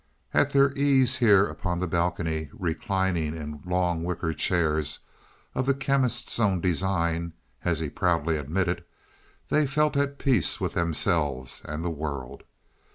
At their ease here upon the balcony, reclining in long wicker chairs of the Chemist's own design, as he proudly admitted, they felt at peace with themselves and the world.